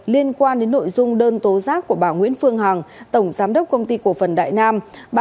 liên quan đến nội dung đơn tố giác của bà nguyễn phương hằng tổng giám đốc công ty cổ phần đại nam